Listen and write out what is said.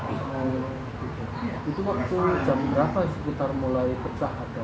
itu waktu jam berapa sekitar mulai pecah ada